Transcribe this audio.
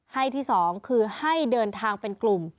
ให้ที่๒คือให้เดินทางเป็นกลุ่ม